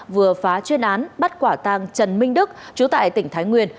vừa phá chuyên án bắt quả tàng trần minh đức chú tại tỉnh thái nguyên